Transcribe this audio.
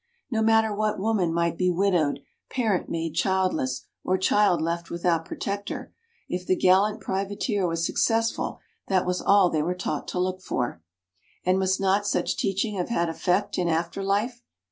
No matter what woman might be widowed parent made childless, or child left without protector if the gallant privateer was successful that was all they were taught to look for. And must not such teaching have had effect in after life?